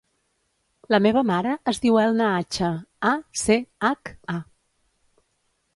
La meva mare es diu Elna Acha: a, ce, hac, a.